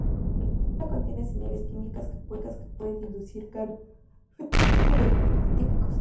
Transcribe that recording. La comida contiene señales químicas que pueden inducir cambios fenotípicos.